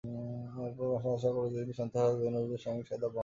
এরপর সবাই আশা করেছিল, তিনি সন্তানহারার বেদনা বুঝে সহিংসতা বন্ধ করবেন।